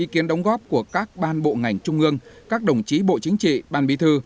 kiên đồng góp của các ban bộ ngành trung ương các đồng chí bộ chính trị ban mỹ thư